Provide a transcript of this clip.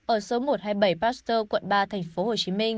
ở số một trăm hai mươi bảy pastor quận ba thành phố hồ chí minh